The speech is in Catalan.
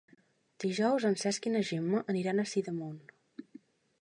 Dijous en Cesc i na Gemma aniran a Sidamon.